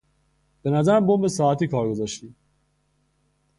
بنظرم بمب ساعتی کار گذاشتی!